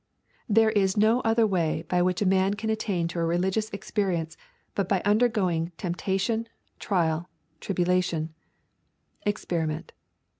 There is no other way by which any man can attain to a religious experience but by undergoing temptation, trial, tribulation: experiment.